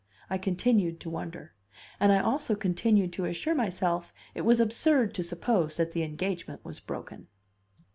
I continued to wonder; and I also continued to assure myself it was absurd to suppose that the engagement was broken.